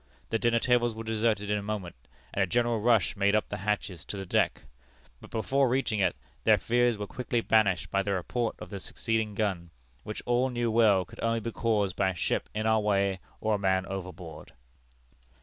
The dinner tables were deserted in a moment, and a general rush made up the hatches to the deck; but before reaching it, their fears were quickly banished by the report of the succeeding gun, which all knew well could only be caused by a ship in our way or a man overboard.